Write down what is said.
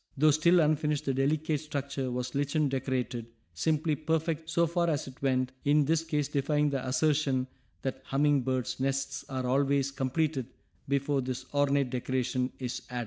Though still unfinished the delicate structure was lichen decorated, simply perfect so far as it went, in this case defying the assertion that humming birds' nests are always completed before this ornate decoration is added.